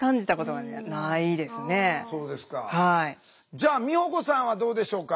じゃあ美保子さんはどうでしょうか？